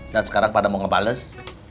dan sekarang pada mau ngebales